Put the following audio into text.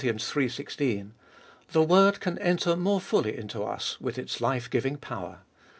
16), the word can enter more fully into us with its life giving power.